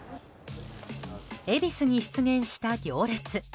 恵比寿に出現した行列。